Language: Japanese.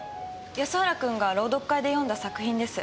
安原君が朗読会で詠んだ作品です。